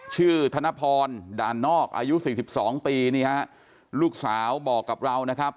ชื่อธนพรด่านนอกอายุสิบสองปีเนี่ยฮะลูกสาวบอกกับเรานะครับ